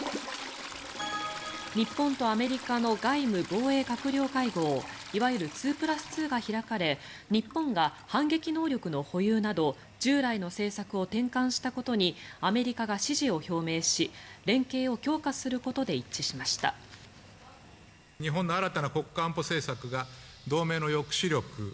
日本とアメリカの外務・防衛閣僚会合いわゆる２プラス２が開かれ日本が反撃能力の保有など従来の政策を転換したことについてアメリカが支持を表明し連携を強化することで一致しました。